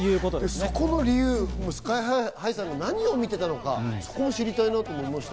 そこの理由、ＳＫＹ−ＨＩさんが何を見ていたのか、そこを知りたいなと思いました。